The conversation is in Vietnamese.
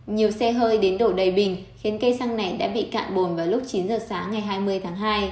nhiều xe hơi đến đổ đầy bình khiến cây xăng này đã bị cạn bồn vào lúc chín giờ sáng ngày hai mươi tháng hai